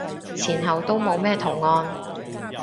前後都冇乜圖案